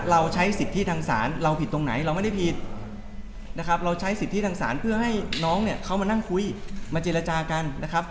เราใช้สิทธิทางศาลเราผิดตรงไหนเราไม่ได้ผิดนะครับเราใช้สิทธิทางศาลเพื่อให้น้องเนี่ยเขามานั่งคุยมาเจรจากันนะครับ